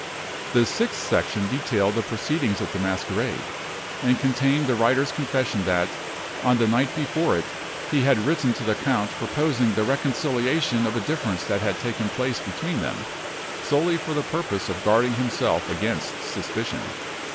The sixth section detailed the proceedings at the masquerade, and contained the writer's confession that, on the night before it, he had written to the count proposing the reconciliation of a difference that had taken place between them, solely for the purpose of guarding himself against suspicion.